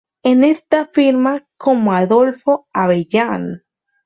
En estas firma como Adolfo Abellán.